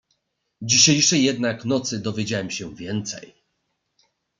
"Dzisiejszej jednak nocy dowiedziałem się więcej."